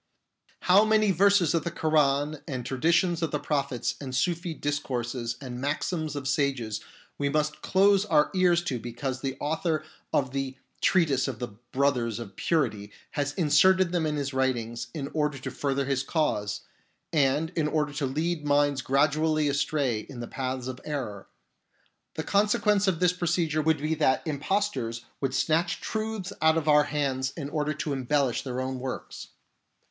How many verses of the Koran and traditions of the prophets and Sufi discourses and maxims of sages we must close our ears to because the author of the Treatise of the Brothers of Purity has inserted them in his writings in order to further his cause, and in order to lead minds gradually astray in the paths of error ! The consequence of this procedure would be that impostors would snatch truths out of our hands in order to embellish their own works.